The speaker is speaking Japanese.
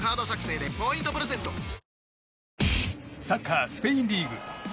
サッカー、スペインリーグ。